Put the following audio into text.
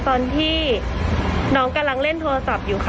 ตอนที่น้องกำลังเร่งโทรศัพท์